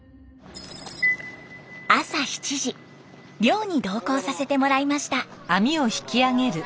朝７時漁に同行させてもらいました。